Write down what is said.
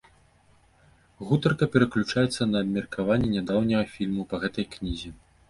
Гутарка пераключаецца на абмеркаванне нядаўняга фільму па гэтай кнізе.